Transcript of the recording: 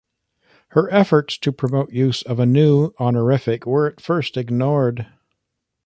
Her efforts to promote use of a new honorific were at first ignored.